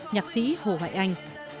nhạc sĩ hồ hoại anh